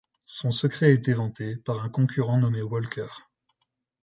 Son secret est éventé par un concurrent nommé Walker.